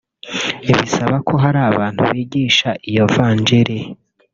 bisaba ko hari abantu bigisha iyo vanjili